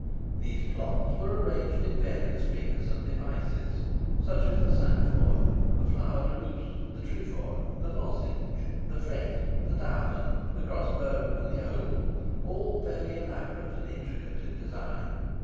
These plots were arranged in various figures and devices such as the cinq foil, the flower de luce, the trefoil, the lozenge, the fret, the diamond, the crossbow, and the oval all very elaborate and intricate in design.